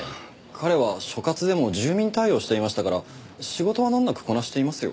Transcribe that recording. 彼は所轄でも住民対応をしていましたから仕事は難なくこなしていますよ。